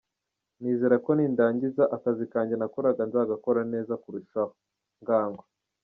Nizera ko nindangiza, akazi kanjye nakoraga nzagakora neza kurushaho - Ngango.